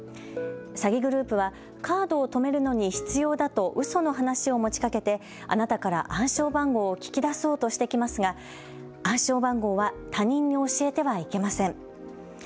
詐欺グループはカードを止めるのに必要だとうその話を持ちかけてあなたから暗証番号を聞き出そうとしてきますが暗証番号は他人に教えてはいけません。